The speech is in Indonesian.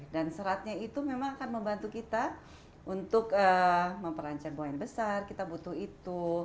dan seratnya itu memang akan membantu kita untuk memperlancar bahan besar kita butuh itu